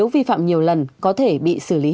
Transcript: vi phạm hành chính